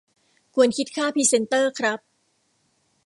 ควรคิดค่าพรีเซนเตอร์ครับ